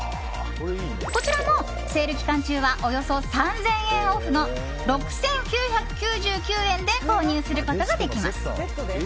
こちらもセール期間中はおよそ３０００円オフの６９９９円で購入することができます。